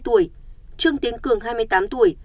trương tiến cường hai mươi tám tuổi